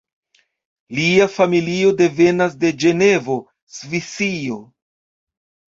Lia familio devenas de Ĝenevo, Svisio.